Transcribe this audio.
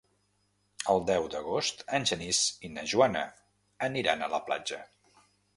El deu d'agost en Genís i na Joana aniran a la platja.